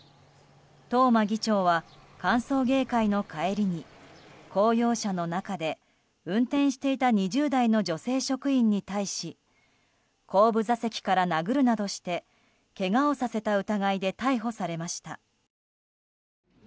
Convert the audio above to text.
東間議長は歓送迎会の帰りに公用車の中で運転していた２０代の女性職員に対し後部座席から殴るなどしてけがをさせた疑いで逮捕されました。